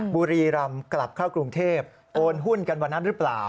บุรีรำกลับเข้ากรุงเทพโอนหุ้นกันวันนั้นหรือเปล่า